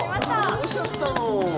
どうしちゃったの？